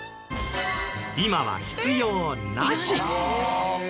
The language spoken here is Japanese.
今は必要なし！